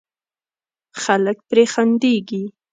خلک پرې خندېږي.